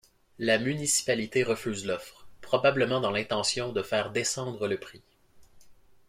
La municipalité refuse l'offre, probablement dans l'intention de faire descendre le prix.